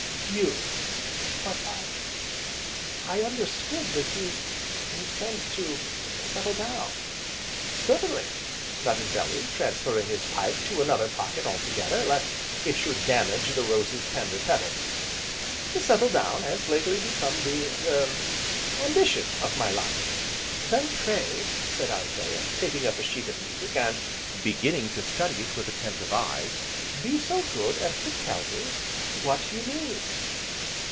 "You!" "But I I understood that you intend to settle down?" "Certainly!" nodded Bellew, transferring his pipe to another pocket altogether, lest it should damage the rose's tender petals. "To settle down has lately become the er ambition of my life." "Then pray," said Anthea, taking up a sheet of music, and beginning to study it with attentive eyes, "be so good as to tell me what you mean."